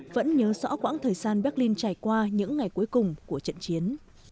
vẫn nhớ rõ quãng thời gian berlin trải qua những ngày cuối cùng của trận chiến